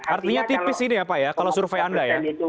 artinya tipis ini ya pak ya kalau survei anda ya